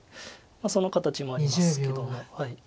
その形もありますけども。